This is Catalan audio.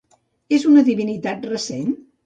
És una divinitat recent?